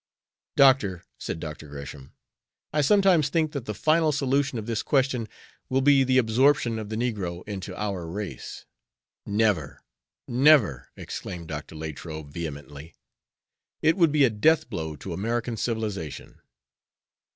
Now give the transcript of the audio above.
"Doctor," said Dr. Gresham, "I sometimes think that the final solution of this question will be the absorption of the negro into our race." "Never! never!" exclaimed Dr. Latrobe, vehemently. "It would be a death blow to American civilization."